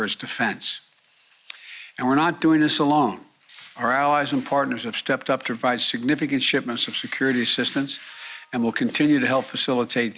sepenuhnya berhutang untuk mencari senjata bantuan untuk ukraina